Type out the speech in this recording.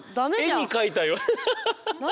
絵に描いたような。